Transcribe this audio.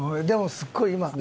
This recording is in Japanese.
でもすごい今。